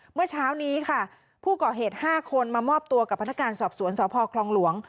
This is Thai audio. เมื่อเช้านี้ค่ะผู้ก่อเหตุ๕คนมามอบตัวกับพนักงานสอบสวนสพคลองหลวง